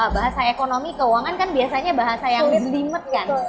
bahasa ekonomi keuangan kan biasanya bahasa yang berlima kan